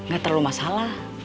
gak terlalu masalah